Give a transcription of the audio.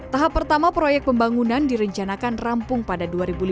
tahap pertama proyek pembangunan direncanakan rampung pada dua ribu lima belas